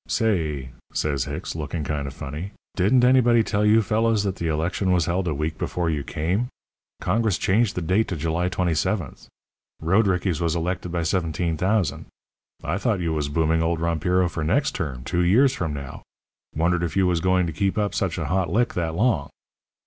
"'Say,' says Hicks, looking kind of funny, 'didn't anybody tell you fellows that the election was held a week before you came? Congress changed the date to July 27th. Roadrickeys was elected by 17,000. I thought you was booming old Rompiro for next term, two years from now. Wondered if you was going to keep up such a hot lick that long.'